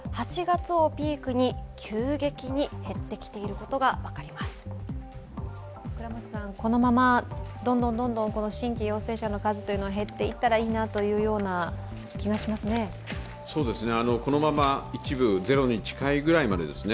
このままどんどん新規陽性者の数は減っていったらいいなというような気がしますね。